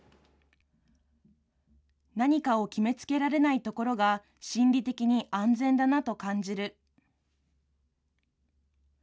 何かを決めつけられないところが心理的に安全だなと感じる。